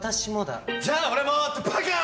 じゃあ俺も。ってバカ！